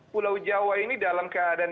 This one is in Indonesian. pulau jawa ini dalam keadaan